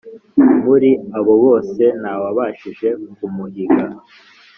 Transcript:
muri abo bose ntawabashije kumuhiga